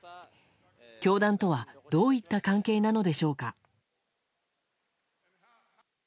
教団とはどういった関係なのでしょうか。